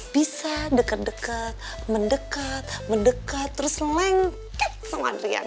bisa dekat dekat mendekat mendekat terus lengket sama riana